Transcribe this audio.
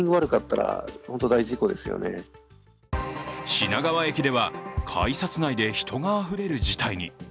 品川駅では改札内で人があふれる事態に。